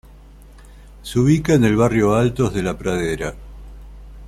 Se ubica en el barrio Altos de la Pradera.